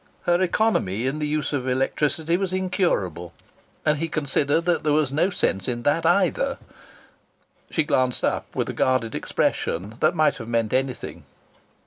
Her economy in the use of electricity was incurable, and he considered that there was no sense in that either. She glanced up, with a guarded expression that might have meant anything.